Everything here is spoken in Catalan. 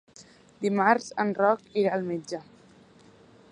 Dimarts en Roc irà al metge.